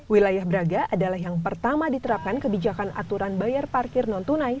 wilayah braga adalah yang pertama diterapkan kebijakan aturan bayar parkir non tunai